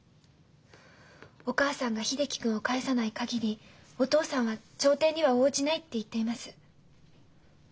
お母さんが秀樹君を返さない限りお父さんは調停には応じないって言っています。